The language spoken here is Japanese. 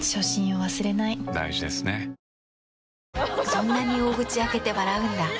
そんなに大口開けて笑うんだ。